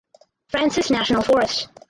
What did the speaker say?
Francis National Forest.